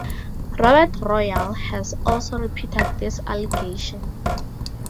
Robert Royal has also repeated this allegation.